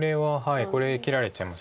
これ生きられちゃいます。